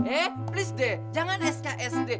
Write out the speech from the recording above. eh please deh jangan sksd